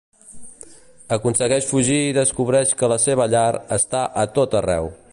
Aconsegueix fugir i descobreix que la seva llar està a tot arreu.